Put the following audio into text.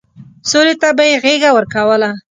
سولې ته به يې غېږه ورکوله.